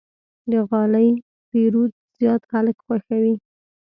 د غالۍ پېرود زیات خلک خوښوي.